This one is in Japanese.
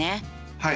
はい。